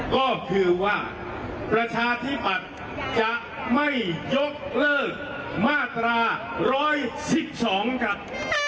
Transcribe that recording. ก็คือว่าประชาธิปัตย์จะไม่ยกเลิกมาตรา๑๑๒ครับ